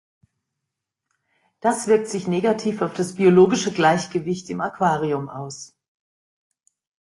Das wirkt sich negativ auf das biologische Gleichgewicht im Aquarium aus.